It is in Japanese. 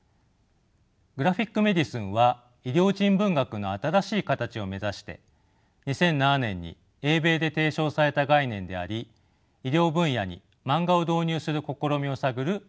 グラフィック・メディスンは医療人文学の新しい形を目指して２００７年に英米で提唱された概念であり医療分野にマンガを導入する試みを探る研究領域です。